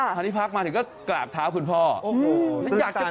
คราวนี้พักมาถึงก็กราบเท้าคุณพ่อโอ้โห